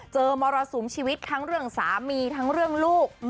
มรสุมชีวิตทั้งเรื่องสามีทั้งเรื่องลูก